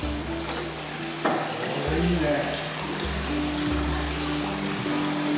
これ、いいねぇ。